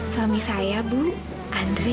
suami saya bu andri